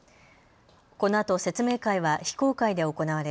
このあと説明会は非公開で行われ